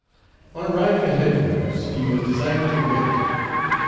On arriving at headquarters, he was Page 340 desired to wait.